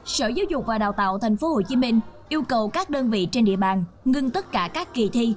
sở giáo dục và đào tạo tp hcm yêu cầu các đơn vị trên địa bàn ngưng tất cả các kỳ thi